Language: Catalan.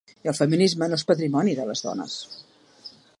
El feminisme no és patrimoni de les dones.